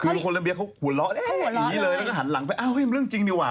คือโคลัมเบียเขาหัวเราะอย่างนี้เลยแล้วก็หันหลังไปอ้าวเฮ้ยมันเรื่องจริงดีกว่า